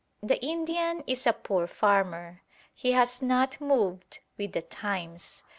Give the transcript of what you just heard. The Indian is a poor farmer. He has not moved with the times.